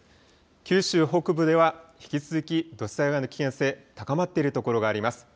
九州北部では引き続き土砂災害の危険性高まっている所があります。